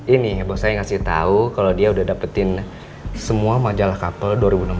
ini bahwa saya ngasih tahu kalau dia udah dapetin semua majalah kapal dua ribu enam belas